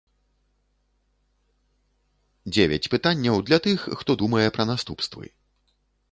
Дзевяць пытанняў для тых, хто думае пра наступствы.